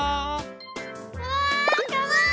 うわかわいい！